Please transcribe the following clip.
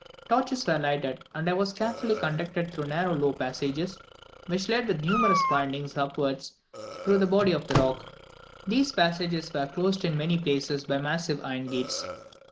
Torches were lighted, and I was carefully conducted through narrow low passages, which led with numerous windings upwards through the body of the rock. These passages were closed in many places by massive iron gates.